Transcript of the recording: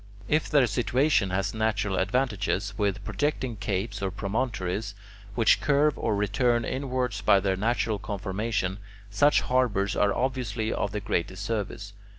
If their situation has natural advantages, with projecting capes or promontories which curve or return inwards by their natural conformation, such harbours are obviously of the greatest service.